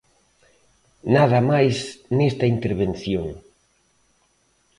Nada máis nesta intervención.